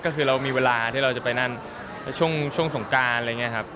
ก็คือเรามีเวลาที่เราจะไปนั่นช่วงสงการอะไรอย่างนี้ครับ